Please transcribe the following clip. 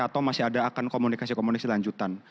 atau masih ada akan komunikasi komunikasi lanjutan